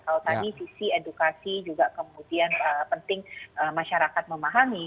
kalau tadi sisi edukasi juga kemudian penting masyarakat memahami